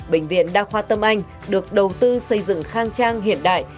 bệnh viện đa khoa tâm anh được đầu tư xây dựng khang trang hiện đại